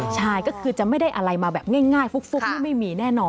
ใช่ก็คือจะไม่ได้อะไรมาแบบง่ายฟุกนี่ไม่มีแน่นอน